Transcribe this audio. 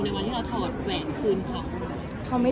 วันที่เราถอดแหวนคืนเขา